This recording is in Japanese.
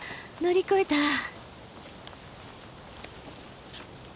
乗り越えた。